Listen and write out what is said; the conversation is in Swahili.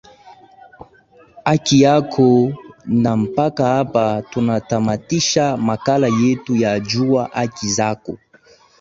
haki yako na mpaka hapa tunatamatisha makala yetu ya jua haki zako